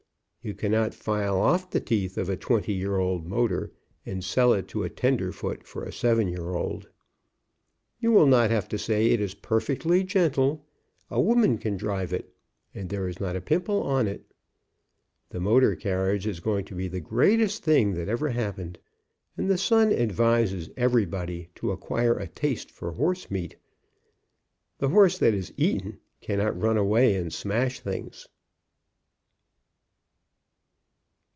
You can not file off the teeth of a twenty year old motor and sell it to a tenderfoot for a seven year old. You will not have to say it is perfectly gentle, a woman can drive it, and there is not a pimple on it. The motor carriage is going to be the greatest thing that ever Il8 BURNING A TAR BARREL happened, and The Sun advises everybody to acquire a taste for horse meat. The horse that is eaten can not run away and smash things.